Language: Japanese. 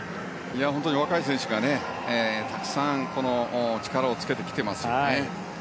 本当に若い選手がたくさん力をつけてきてますよね。